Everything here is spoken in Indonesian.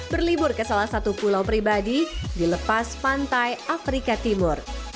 berlibur ke salah satu pulau pribadi di lepas pantai afrika timur